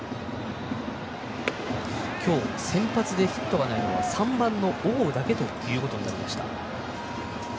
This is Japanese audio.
今日、先発でヒットがないのは３番の小郷だけということになりました。